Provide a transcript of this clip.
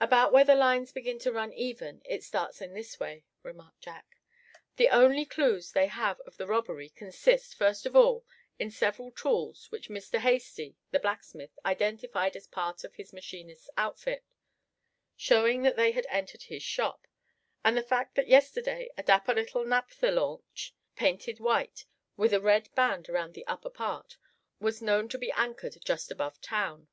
"About where the lines begin to run even it starts in this way," remarked Jack. "'The only clues they have of the robbery consist, first of all, in several tools which Mr. Hasty, the blacksmith, identified as part of his machinist's outfit, showing that they had entered his shop; and the fact that yesterday a dapper little naphtha launch, painted white, with a red band around the upper part, was known to be anchored just above town.